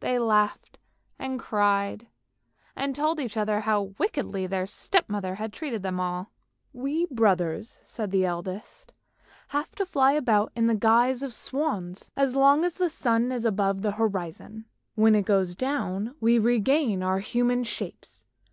They laughed and cried, and told each other how wickedly their step mother had treated them all. " We brothers," said the eldest, " have to fly about in the guise of swans, as long as the sun is above the horizon. When it goes down we regain our human shapes.